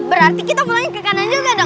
berarti kita pulangnya ke kanan juga